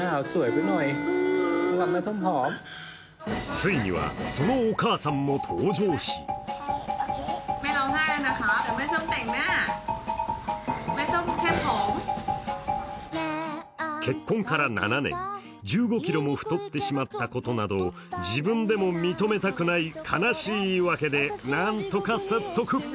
ついにはそのお母さんも登場し結婚から７年、１５ｋｇも太ってしまったことなどを自分でも認めたくない悲しいいいわけで、なんとか説得。